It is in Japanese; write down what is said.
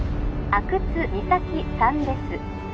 ☎阿久津実咲さんです